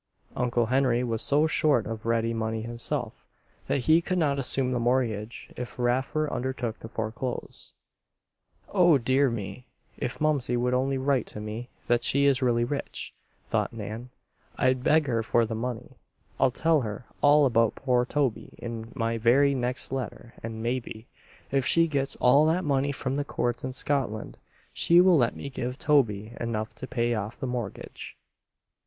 Uncle Henry was so short of ready money himself that he could not assume the mortgage if Raffer undertook to foreclose. "Oh, dear me! If Momsey would only write to me that she is really rich," thought Nan, "I'd beg her for the money. I'll tell her all about poor Toby in my very next letter and maybe, if she gets all that money from the courts in Scotland, she will let me give Toby enough to pay off the mortgage."